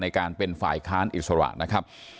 ในการเป็นฝ่ายค้านอิสระนะครับ